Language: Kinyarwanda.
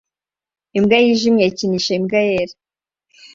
Imbwa yijimye ikinisha imbwa yera